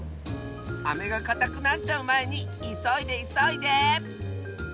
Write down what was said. アメがかたくなっちゃうまえにいそいでいそいで！